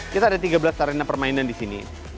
kita ada tiga belas arena permainan di sini